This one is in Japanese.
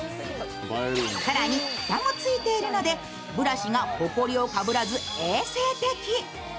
更に蓋もついているので、ブラシがほこりをかぶらず衛生的。